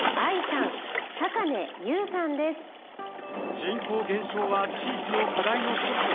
人口減少は地域の課題の１つ。